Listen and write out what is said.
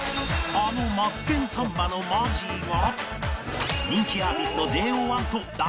あの『マツケンサンバ』のマジーが